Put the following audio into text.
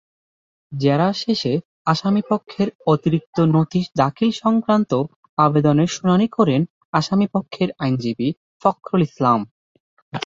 জেরা শেষে আসামিপক্ষের অতিরিক্ত নথি দাখিল-সংক্রান্ত আবেদনের শুনানি করেন আসামিপক্ষের আইনজীবী ফখরুল ইসলাম।